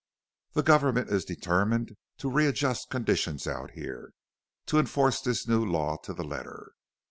The government is determined to re adjust conditions out here to enforce this new law to the letter.